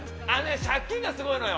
借金がすごいのよ。